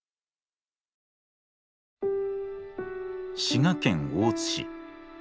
滋賀県大津市。